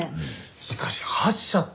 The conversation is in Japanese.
しかし８社って。